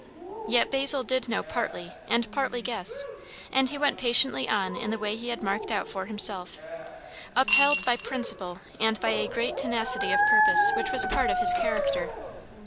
Yet Basil did know partly and partly guess; and he went patiently on in the way he had marked out for himself, upheld by principle and by a great tenacity of purpose which was part of his character.